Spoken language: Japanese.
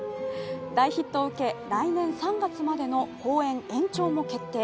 大ヒットを受け、来年３月までの公演延長も決定。